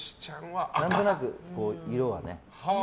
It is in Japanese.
何となく、色はね。